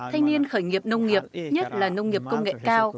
thanh niên khởi nghiệp nông nghiệp nhất là nông nghiệp công nghệ cao